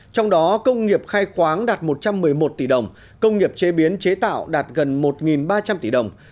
trong đó công nghiệp khai khoáng đạt một trăm một mươi một tỷ đồng công nghiệp chế biến chế tạo đạt gần một ba trăm linh tỷ đồng